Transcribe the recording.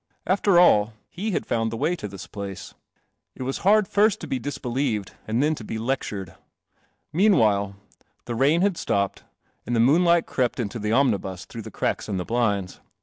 After all, he had found the way to this place. It was hard first to be disbelieved and then to be lectured. Meanwhile, the rain had stopped, and moonlight crept into the omni bus through the cracks in the blinds.